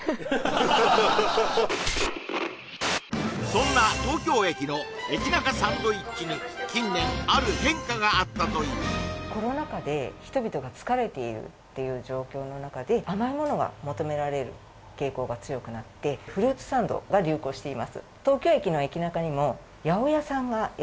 そんな東京駅のコロナ禍で人々が疲れているっていう状況の中で甘いものが求められる傾向が強くなってしています